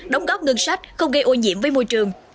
đóng góp ngân sách không gây ô nhiễm với môi trường